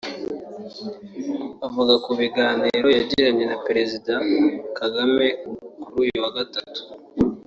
Avuga ku biganiro yagiranye na Perezida Kagame kuri uyu wa Gatatu